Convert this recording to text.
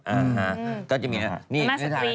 อาฮะก็จะมีนี่นี่นิทราชกาล